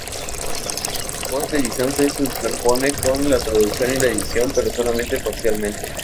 Post edición se superpone con la traducción y la edición pero solamente parcialmente.